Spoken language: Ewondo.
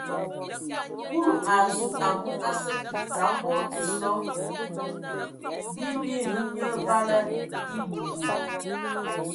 Kulu a zu, amu a sə kig dzam bɔ tə so: bii bi hm nye vala ebu bu.